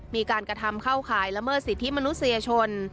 มีการกระทำเข้าข่ายละเมิดสิทธิมนุษยชน